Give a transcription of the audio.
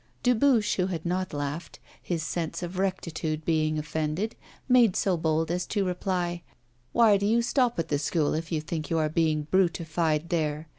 Dubuche, who had not laughed, his sense of rectitude being offended, made so bold as to reply: 'Why do you stop at the School if you think you are being brutified there?